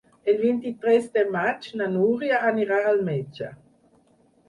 El vint-i-tres de maig na Núria anirà al metge.